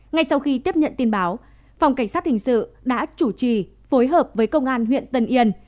ngay sau khi tiếp nhận tin báo phòng cảnh sát hình sự đã chủ trì phối hợp với công an huyện tân yên